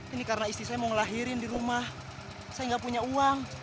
ini karena istri saya mau ngelahirin di rumah saya nggak punya uang